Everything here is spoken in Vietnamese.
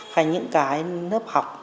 hay những cái lớp học